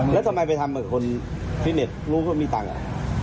แล้วทำไมไปทำกับคนฟิตเน็ตรู้ว่ามีตังค์อ่ะ